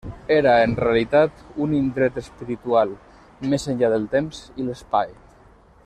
Era, en realitat, un indret espiritual, més enllà del temps i l'espai.